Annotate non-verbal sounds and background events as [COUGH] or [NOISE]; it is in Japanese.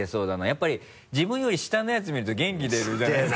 やっぱり自分より下のやつ見ると元気出るじゃないですか [LAUGHS]